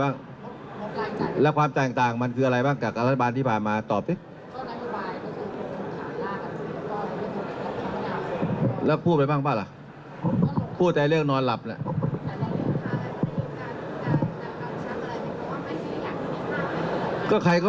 มาจากร้านแต่งต่อมาก็ได้เพราะว่าเราแบบนี้ก็ไม่ตอบ